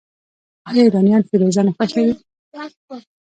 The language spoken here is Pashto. آیا ایرانیان فیروزه نه خوښوي؟